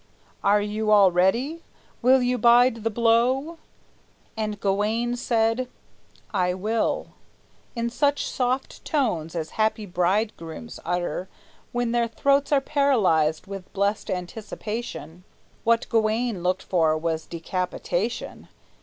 Are you all ready? Will you bide the blow?" And Gawayne said "I will," in such soft notes As happy bridegrooms utter, when their throats Are paralyzed with blest anticipation; (What Gawayne looked for was decapitation!)